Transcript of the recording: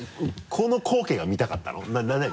この光景が見たかったの？